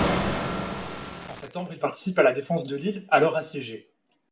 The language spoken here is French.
En septembre, il participe à la défense de Lille, alors assiégée.